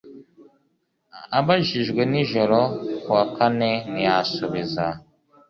Abajijwe nijoro ku wa kane ntiyasubiza